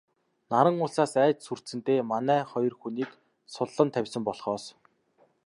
Наран улсаас айж сүрдсэндээ манай хоёр хүнийг суллан тавьсан болохоос...